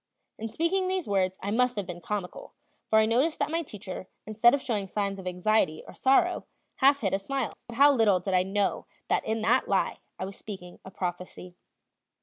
In speaking these words I must have been comical; for I noticed that my teacher, instead of showing signs of anxiety or sorrow, half hid a smile. But how little did I know that in that lie I was speaking a prophecy!